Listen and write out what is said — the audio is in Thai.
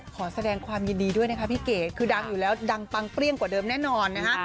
ขอแสดงความยินดีด้วยนะคะพี่เก๋คือดังอยู่แล้วดังปังเปรี้ยงกว่าเดิมแน่นอนนะฮะ